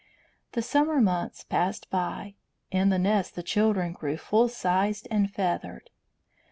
The summer months passed by. In the nest the children grew full sized and feathered.